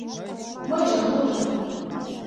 Мыйже, мыйже